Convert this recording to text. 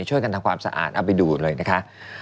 ช่วยกันทำความสะอาดเอาไปดูเลยนะคะ